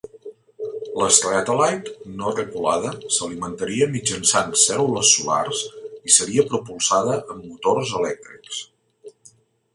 L'Stratellite, no tripulada, s'alimentaria mitjançant cèl·lules solars i seria propulsada amb motors elèctrics.